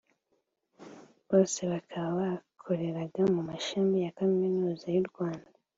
bose bakaba bakoreraga mu mashami ya Kaminuza y’u Rwanda